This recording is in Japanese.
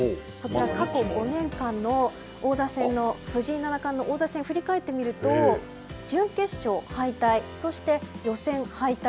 過去５年間の藤井七冠の王座戦を振り返ると準決勝敗退、そして予選敗退